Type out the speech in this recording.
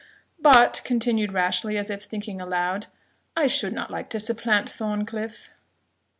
"But," continued Rashleigh, as if thinking aloud, "I should not like to supplant Thorncliff."